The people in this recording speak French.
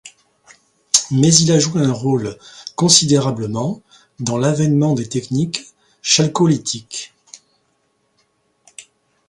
Mais il a joué un rôle considérablement dans l'avènement des techniques chalcolithiques.